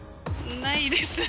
ないですね。